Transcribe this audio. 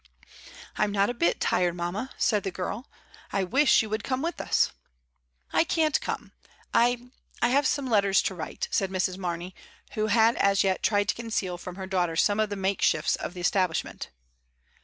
"I'm not a bit tired, mamma," said the girl. "I wish you would come with us." "I can't come. I — I have some letters to write," said Mrs. Mamey, who had as yet tried to conceal from her daughter some of the makeshifts of the establishment.